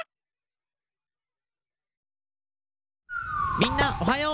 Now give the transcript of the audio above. みんなおはよう！